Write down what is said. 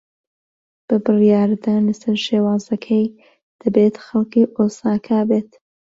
بە بڕیاردان لەسەر شێوەزارەکەی، دەبێت خەڵکی ئۆساکا بێت.